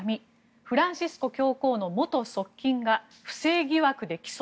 フランシスコ教皇の元側近が不正疑惑で起訴。